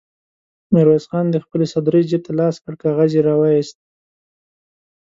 ميرويس خان د خپلې سدرۍ جېب ته لاس کړ، کاغذ يې را وايست.